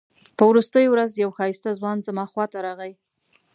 په وروستۍ ورځ یو ښایسته ځوان زما خواته راغی.